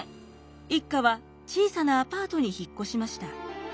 一家は小さなアパートに引っ越しました。